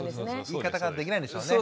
言い方ができないんでしょうね。